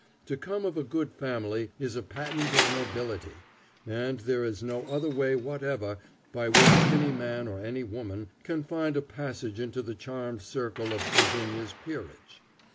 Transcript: To come of a good family is a patent of nobility, and there is no other way whatever by which any man or any woman can find a passage into the charmed circle of Virginia's peerage.